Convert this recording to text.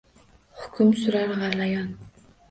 Hukm surar g’alayon.